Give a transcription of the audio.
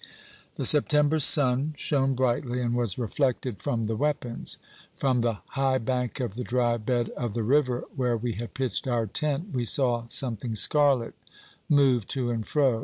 "The September sun shone brightly, and was reflected from the weapons. From the high bank of the dry bed of the river, where we had pitched our tent, we saw something scarlet move to and fro.